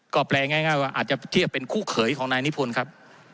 ก็แปลง่ายว่าอาจจะเทียบเป็นคู่เขยของนายนิพนธ์ครับ